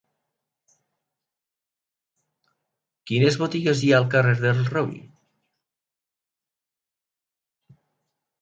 Quines botigues hi ha al carrer del Robí?